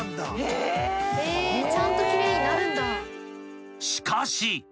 ちゃんと奇麗になるんだ。